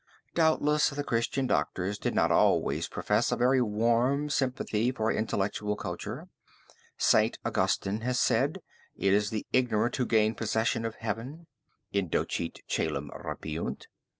Doubtless the Christian doctors did not always profess a very warm sympathy for intellectual culture. Saint Augustine has said: It is the ignorant who gain possession of heaven (indocti coelum rapiunt.)